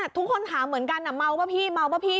ทุกคนถามเหมือนกันมาวเปล่าพี่